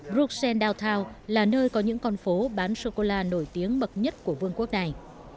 bruxelles dowtown là nơi có những con phố bán sô cô la nổi tiếng bậc nhất của vương quốc này